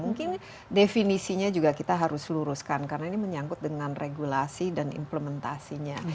mungkin definisinya juga kita harus luruskan karena ini menyangkut dengan regulasi dan implementasinya